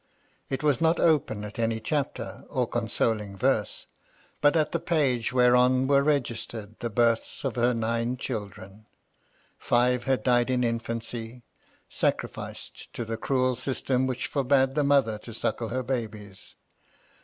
It was not opened at any chapter, or consoling verse ; but at the page where on were raftered the births of her nine children. Five had died in infancy, — sacrificed to the cruel system which forbade the mother to suckle her babies.